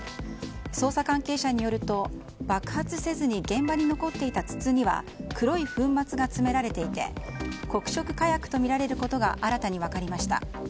捜査関係者によると爆発せずに現場に残っていた筒には黒い粉末が詰められていて黒色火薬とみられることが新たに分かりました。